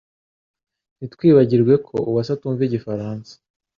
Ntitwibagirwe ko Uwase atumva Igifaransa